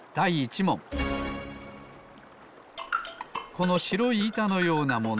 このしろいいたのようなもの